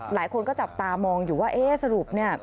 หลายคนก็จับตามองอยู่ว่าเอ๊ะสรุปเนี่ย